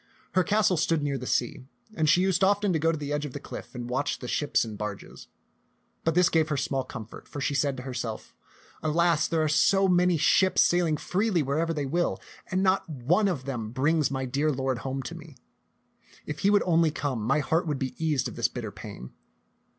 Her castle stood near the sea, and she used often to go to the edge of the cliff and watch the ships and barges ; but this gave her small comfort, for she said to herself, "Alas, there are so many ships sailing freely wherever they will, and not one of them brings my dear lord home to me. If he would only come, my heart would be eased of this bitter pain."